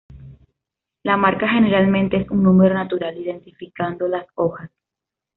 La marca, generalmente, es un número natural, identificando las hojas.